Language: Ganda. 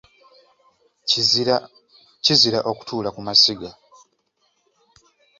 Kizira okutuula ku masiga.